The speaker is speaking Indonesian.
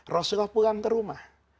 rasulullah pulang ke rumah